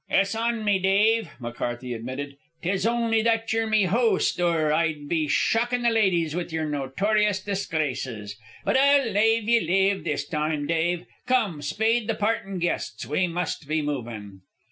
"It's on me, Dave," McCarthy admitted. "'Tis only that yer me host, or I'd be shockin' the ladies with yer nortorious disgraces. But I'll lave ye live this time, Dave. Come, spade the partin' guests; we must be movin'."